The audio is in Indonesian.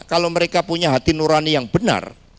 kalau mereka punya hati nurani yang benar